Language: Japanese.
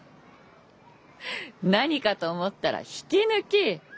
何かと思ったら引き抜き？